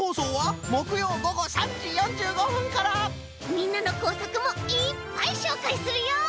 みんなのこうさくもいっぱいしょうかいするよ！